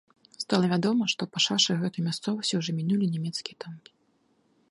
Стала вядома, што па шашы гэтую мясцовасць ужо мінулі нямецкія танкі.